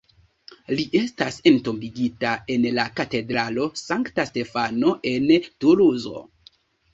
Li estas entombigita en la Katedralo Sankta Stefano en Tuluzo.